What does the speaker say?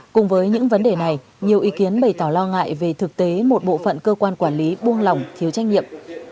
cùng với những vấn đề này nhiều ý kiến bày tỏ lo ngại về thực tế một bộ phận cơ quan quản lý buông lỏng thiếu trách nhiệm